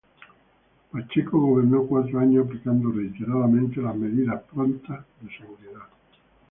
Pacheco gobernó cuatro años aplicando reiteradamente las medidas prontas de seguridad.